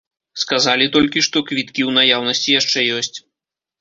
Сказалі толькі, што квіткі ў наяўнасці яшчэ ёсць.